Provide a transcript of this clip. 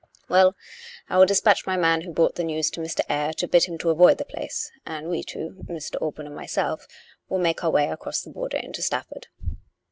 Well, I will dis patch my man who brought the news to Mr. Eyre to bid him to avoid the place ; and we two, Mr. Alban and myself, will make our way across the border into Stafford."